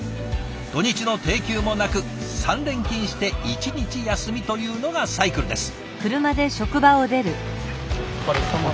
土日の定休もなく３連勤して１日休みというのがサイクルです。